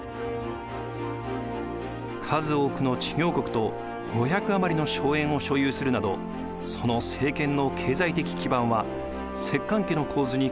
数多くの知行国と５００余りの荘園を所有するなどその政権の経済的基盤は摂関家の構図に酷似していました。